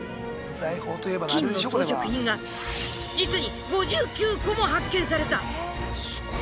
金の装飾品が実に５９個も発見された。